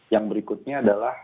yang berikutnya adalah